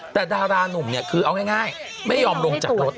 แต่ดารานุ่มเนี่ยคือเอาง่ายไม่ยอมลงจากรถ